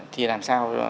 thì làm sao